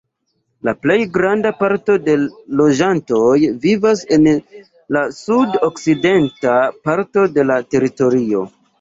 La plej granda parto de loĝantoj vivas en la sud-okcidenta parto de la teritorio.